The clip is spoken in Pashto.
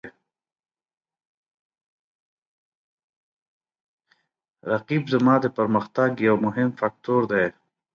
رقیب زما د پرمختګ یو مهم فکتور دی